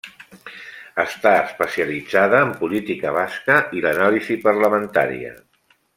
Està especialitzada en política basca i l'anàlisi parlamentària.